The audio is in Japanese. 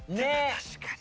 確かに。